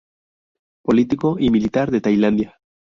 Político y militar de Tailandia.